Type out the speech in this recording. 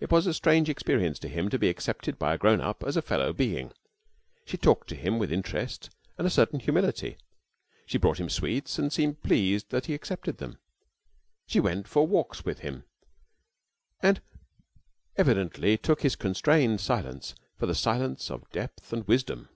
It was a strange experience to him to be accepted by a grown up as a fellow being. She talked to him with interest and a certain humility, she bought him sweets and seemed pleased that he accepted them, she went for walks with him, and evidently took his constrained silence for the silence of depth and wisdom.